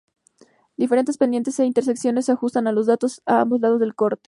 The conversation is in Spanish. Diferentes pendientes e intersecciones se ajustan los datos a ambos lados del corte.